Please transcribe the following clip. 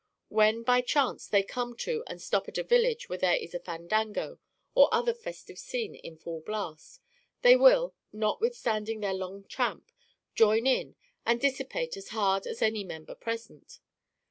When, by chance, they come to and stop at a village where there is a fandango or other festive scene in full blast, they will, notwithstanding their long tramp, join in and dissipate as hard as any member present.